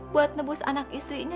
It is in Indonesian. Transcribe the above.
buat nebus anak istrinya